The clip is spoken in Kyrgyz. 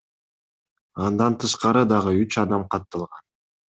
Андан тышкары дагы үч адам катталган.